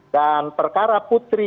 dan perkara putri